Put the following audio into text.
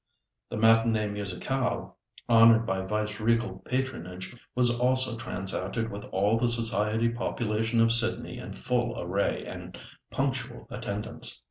The matinée musicale, honoured by Vice regal patronage, was also transacted with all the society population of Sydney in full array and punctual attendance.